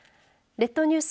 列島ニュース